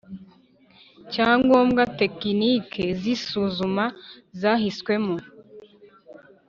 cyangombwa Tekinike z isuzuma zahiswemo